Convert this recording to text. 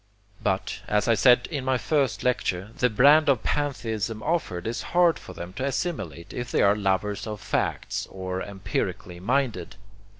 But, as I said in my first lecture, the brand of pantheism offered is hard for them to assimilate if they are lovers of facts, or empirically minded.